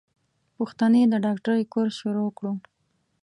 پښتنې د ډاکټرۍ کورس شروع کړو.